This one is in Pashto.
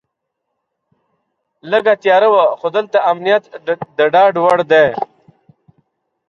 لږه تیاره وه خو دلته امنیت د ډاډ وړ دی.